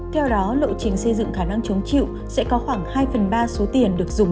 theo đó lộ trình xây dựng khả năng chống chịu sẽ có khoảng hai phần ba số tiền được dùng